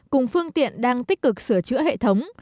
cùng phương tiện đang tích cực sửa chữa hệ thống